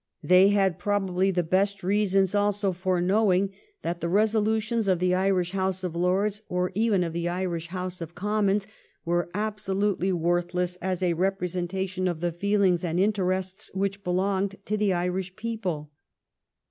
They had p 2 212 THE REIGN OF QUEEN ANNE. ch. xxx. probably the best reasons also for knowing that the resolutions of the Irish House of Lords, or even of the Irish House of Commons, were absolutely worth less as a representation of the feelings and interests which belonged to the Irish people.